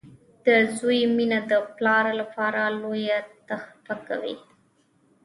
• د زوی مینه د پلار لپاره لویه تحفه وي.